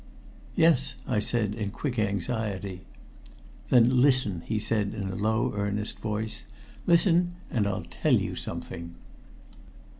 "Yes," I said in quick anxiety. "Then listen," he said in a low, earnest voice. "Listen, and I'll tell you something.